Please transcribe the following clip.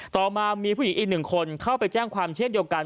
ต่อมามีผู้หญิงอีกหนึ่งคนเข้าไปแจ้งความเช่นเดียวกัน